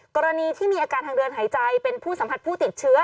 กรณีที่มีอาการทางเดินหายใจเป็นผู้สัมผัสผู้ติดเชื้อ